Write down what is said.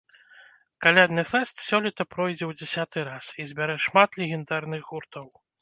Калядны фэст сёлета пройдзе ў дзясяты раз і збярэ шмат легендарных гуртоў.